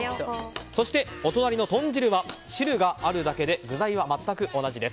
そして、お隣の豚汁は汁があるだけで具材は全く同じです。